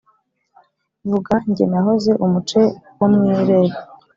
Vuga jye nahoze. Umuce wo mu irebe